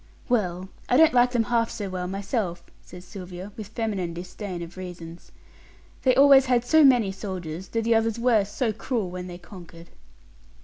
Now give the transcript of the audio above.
"Well, I don't like them half so well myself," says Sylvia, with feminine disdain of reasons. "They always had so many soldiers, though the others were so cruel when they conquered."